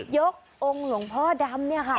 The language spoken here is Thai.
องค์หลวงพ่อดำเนี่ยค่ะ